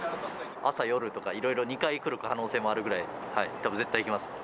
朝、夜とか、いろいろ２回来る可能性もあるぐらい、絶対来ます。